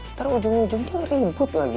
ntar ujung ujungnya ribut lagi